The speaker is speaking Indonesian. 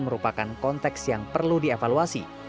merupakan konteks yang perlu dievaluasi